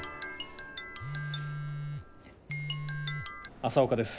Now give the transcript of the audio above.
朝岡です。